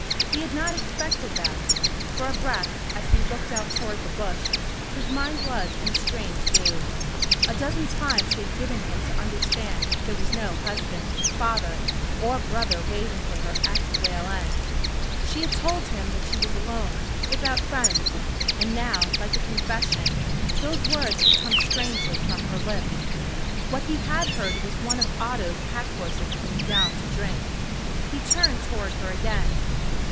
He had not expected that. For a breath, as he looked out toward the bush, his mind was in a strange daze. A dozen times she had given him to understand there was no husband, father, or brother waiting for her at the rail end. She had told him that she was alone without friends. And now, like a confession, those words had come strangely from her lips. What he had heard was one of Otto's pack horses coming down to drink. He turned toward her again.